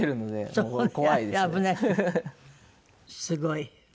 すごい。